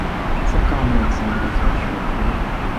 Some common examples are shown below.